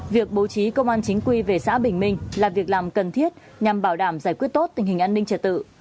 việc bố trí công an chính quy về xã bình minh là việc làm cần thiết nhằm bảo đảm giải quyết tốt tình hình an ninh trật tự